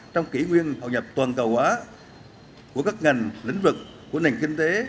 trong kỷ nguyên hậu nhập toàn cầu hóa của các ngành lĩnh vực của nền kinh tế